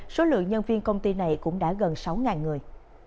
số lượng nhân viên công ty này cũng đã gần sáu người